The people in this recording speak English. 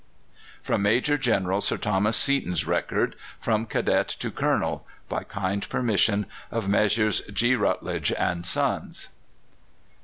From Major General Sir Thomas Seaton's record, "From Cadet to Colonel." By kind permission of Messrs. G. Routledge and Sons.